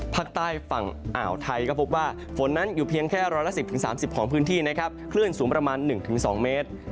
ภาคใต้ฝั่งอ่าวไทยก็พบว่าฝนนั้นอยู่เพียงแค่๑๑๐๓๐ของพื้นที่นะครับคลื่นสูงประมาณ๑๒เมตร